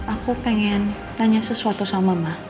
aku pengen tanya sesuatu sama mak